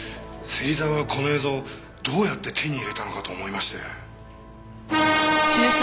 芹沢はこの映像をどうやって手に入れたのかと思いまして。